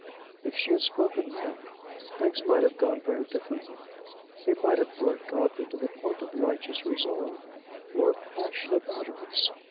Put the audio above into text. If she had spoken then, things might have gone very differently: it might have brought Godfrey to the point of righteous resolve or of passionate utterance.